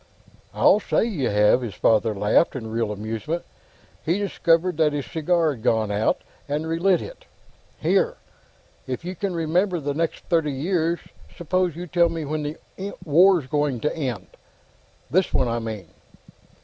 "I'll say you have!" His father laughed in real amusement. He discovered that his cigar had gone out, and re lit it. "Here; if you can remember the next thirty years, suppose you tell me when the War's going to end. This one, I mean."